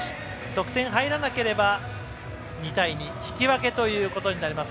得点入らなければ２対２、引き分けとなります